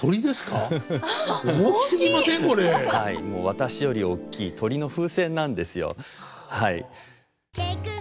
私より大きい鳥の風船なんですよはい。